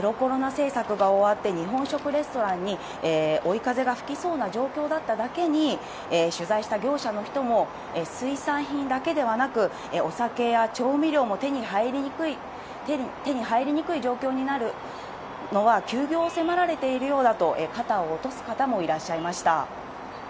政策が終わって、日本食レストランに追い風が吹きそうな状況だっただけに、取材した業者の人も、水産品だけではなく、お酒や調味料も手に入りにくい状況になるのは、休業を迫られているようだと、肩を落とす方もいらっしゃいました。